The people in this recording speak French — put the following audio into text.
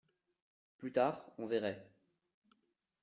Plus tard, on verrait.